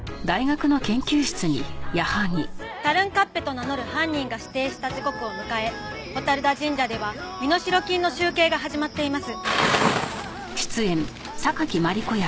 タルンカッペと名乗る犯人が指定した時刻を迎え蛍田神社では身代金の集計が始まっています。